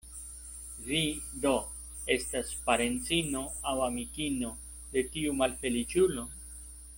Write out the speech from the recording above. Vi do estas parencino aŭ amikino de tiu malfeliĉulo?